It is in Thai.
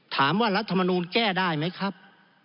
ถามว่ารัฐมนูลแก้ได้ไหมครับ